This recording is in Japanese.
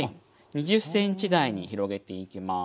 ２０ｃｍ台に広げていきます。